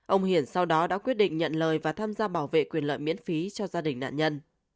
ông hiển sau đó đã quyết định nhận lời và tham gia bảo vệ quyền lợi miễn phí cho gia đình nạn nhân